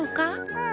うん。